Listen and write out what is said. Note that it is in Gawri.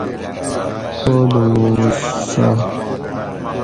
کالماں ساۤل